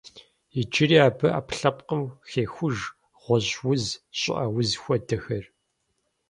Иджыри абы ӏэпкълъэпкъым хехуж гъуэжь уз, щӏыӏэ уз хуэдэхэр.